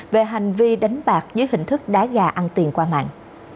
về hành vi đánh bạc dưới hình thức đá gà ăn tiền qua mạng